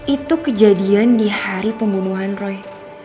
itu kejadian di hari pembunuhan roy